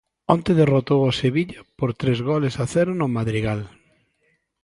Onte derrotou o Sevilla por tres goles a cero no Madrigal.